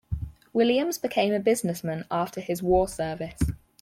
Williams became a businessman after his war service.